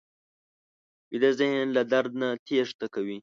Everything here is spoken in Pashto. ویده ذهن له درد نه تېښته کوي